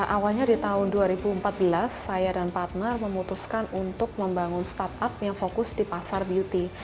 awalnya di tahun dua ribu empat belas saya dan partner memutuskan untuk membangun startup yang fokus di pasar beauty